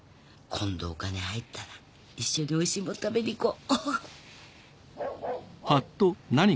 今度お金入ったら一緒においしいもん食べに行こう。